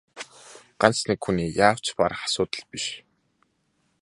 Ганц нэг хүний яавч барах асуудал биш.